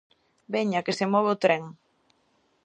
Veña, que se move o tren!